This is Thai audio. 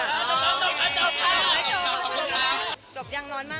จบแล้วจบแล้วจบแล้ว